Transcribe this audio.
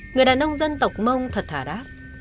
người đàn ông dân tộc mong thật thả đáp